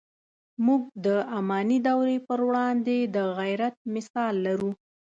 موږ د اماني دورې پر وړاندې د غیرت مثال لرو.